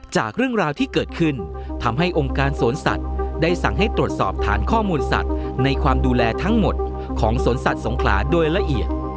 จากเรื่องราวที่เกิดขึ้นทำให้องค์การสวนสัตว์ได้สั่งให้ตรวจสอบฐานข้อมูลสัตว์ในความดูแลทั้งหมดของสวนสัตว์สงขลาโดยละเอียด